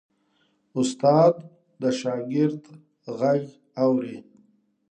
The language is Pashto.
استاد د شاګرد غږ اوري.